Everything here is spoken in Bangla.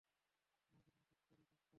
আলহামদুলিল্লাহ, আমি সুস্থ, রোগমুক্ত।